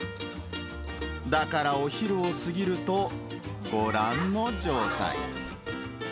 だからお昼を過ぎると、ご覧の状態。